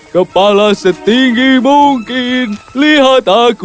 kepala setinggi mungkin lihat aku